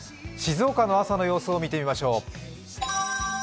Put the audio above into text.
静岡の朝の様子、見てみましょう。